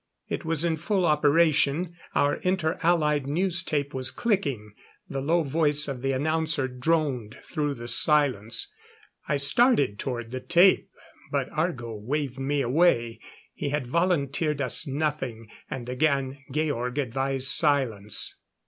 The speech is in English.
It was in full operation; our Inter Allied news tape was clicking; the low voice of the announcer droned through the silence. I started toward the tape, but Argo waved me away. He had volunteered us nothing, and again Georg advised silence.